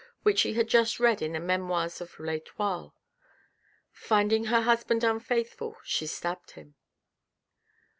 which she had just read in the memoirs of L'Etoile. Finding her husband unfaithful she stabbed him.